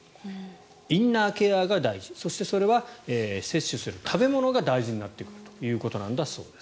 インナーケアが大事そして、それは摂取する食べ物が大事になってくるということだそうです。